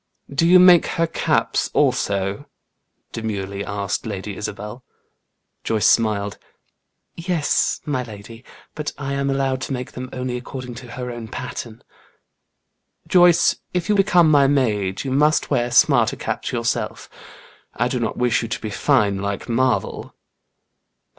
"Do you make her caps also?" demurely asked Lady Isabel. Joyce smiled. "Yes, my lady; but I am allowed to make them only according to her own pattern." "Joyce, if you become my maid, you must wear smarter caps yourself. I do not wish you to be fine like Marvel."